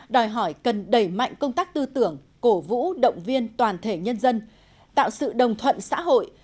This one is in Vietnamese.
đòi hỏi cần đẩy mạnh công tác tư tưởng cổ vũ động viên toàn thể nhân dân tạo sự đồng thuận xã hội